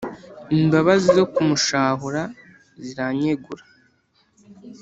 Imbabazi zo kumushahura ziranyegura: